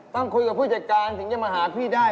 ต้องคุยกับผู้จัดการถึงจะมาหาพี่ได้